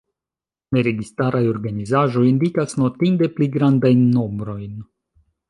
Neregistaraj organizaĵoj indikas notinde pli grandajn nombrojn.